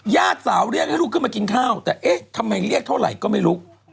ญาติสาวเรียกให้ลูกขึ้นมากินข้าวแต่เอ๊ะทำไมเรียกเท่าไหร่ก็ไม่รู้